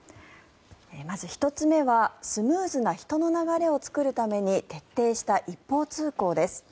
まず１つ目はスムーズな人の流れを作るために徹底した一方通行です。